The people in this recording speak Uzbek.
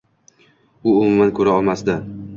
U umuman koʻra olmasdi